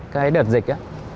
cái đợt dịch